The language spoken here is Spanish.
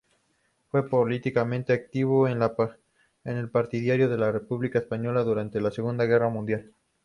Fue políticamente activo, y partidario de la República Española durante la Segunda Guerra Mundial.